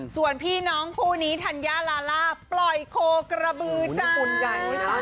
ส่วนพี่น้องผู้หนีธัญญาลาลาปล่อยโคกระบือจ้า